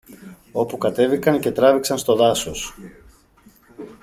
όπου κατέβηκαν και τράβηξαν στο δάσος.